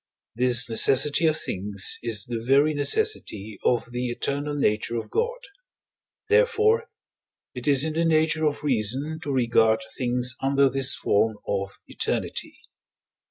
this necessity of things is the very necessity of the eternal nature of God; therefore, it is in the nature of reason to regard things under this form of eternity.